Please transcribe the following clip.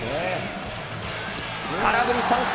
空振り三振。